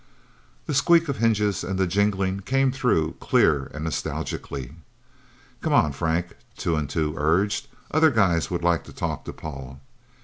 The squeak of hinges and the jingling came through, clear and nostalgically. "Come on, Frank," Two and Two urged. "Other guys would like to talk to Paul...